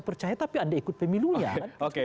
percaya tapi anda ikut pemilunya kan oke